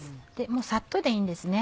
もうサッとでいいんです。